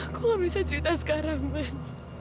aku nggak bisa cerita sekarang man